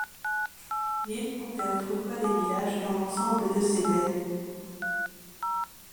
L'île comptait autrefois des villages dont l'ensemble de ses baies.